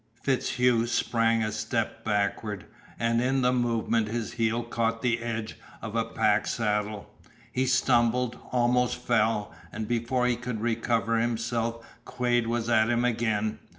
FitzHugh sprang a step backward, and in the movement his heel caught the edge of a pack saddle. He stumbled, almost fell, and before he could recover himself Quade was at him again.